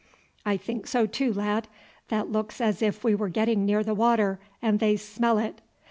"I think so too, lad. That looks as if we were getting near the water, and they smell it."